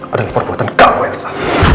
adalah perbuatan kamu elsa